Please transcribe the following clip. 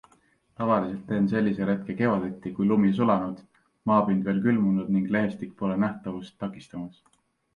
Tavaliselt teen sellise retke kevadeti, kui lumi sulanud, maapind veel külmunud ning lehestik pole nähtavust takistamas.